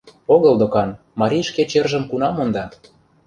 Огыл докан, марий шке чержым кунам монда.